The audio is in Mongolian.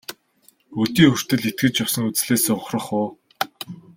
Өдий хүртэл итгэж явсан үзлээсээ ухрах уу?